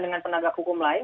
dengan penegak hukum lain